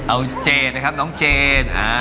เอาเจนนะครับน้องเจน